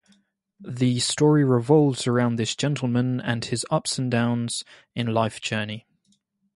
The story revolves around this gentleman and his ups and downs in life Journey.